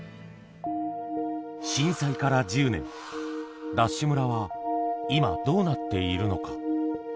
震災から１０年、ＤＡＳＨ村は今、どうなっているのか。